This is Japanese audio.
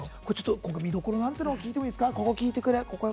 見どころ聞いてもいいですか？